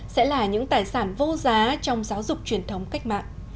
sẽ là những tài sản vô giá trong giáo dục truyền thống cách mạng